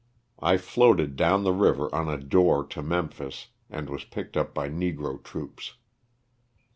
I floated down the river on a door to Memphis and was picked up by negro troops.